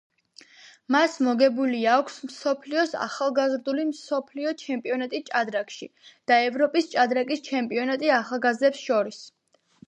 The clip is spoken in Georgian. მას მოგებული აქვს მსოფლიოს ახალგაზრდული მსოფლიო ჩემპიონატი ჭადრაკში, და ევროპის ჭადრაკის ჩემპიონატი ახალგაზრდებს შორის.